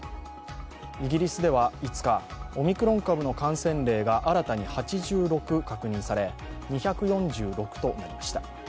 イギリスでは５日、オミクロン株の感染例が新たに８６確認され２４６となりました。